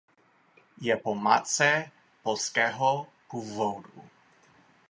Je po matce polského původu.